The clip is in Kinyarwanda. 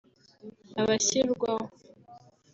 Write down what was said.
abashyirwaho